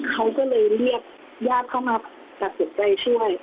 เขาก็เลยเรียกญาติเข้ามาตัดสินใจช่วย